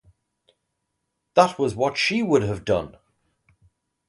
That was what she would have done!